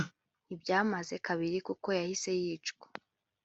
ntibyamaze kabiri kuko yahise yicwa